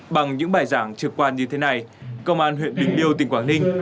bằng những bài giảng trực quan như thế này công an huyện bình liêu tỉnh quảng ninh